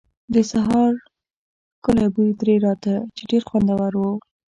د سهار ښکلی بوی ترې راته، چې ډېر خوندور و.